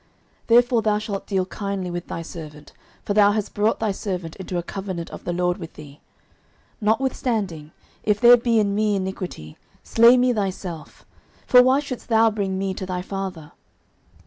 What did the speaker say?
09:020:008 Therefore thou shalt deal kindly with thy servant; for thou hast brought thy servant into a covenant of the LORD with thee: notwithstanding, if there be in me iniquity, slay me thyself; for why shouldest thou bring me to thy father?